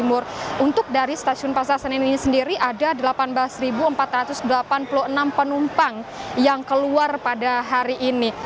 untuk dari stasiun pasar senen ini sendiri ada delapan belas empat ratus delapan puluh enam penumpang yang keluar pada hari ini